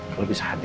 kalau bisa hadir